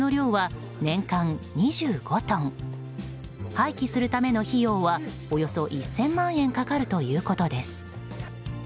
廃棄するための費用はおよそ１０００万円かかるということです。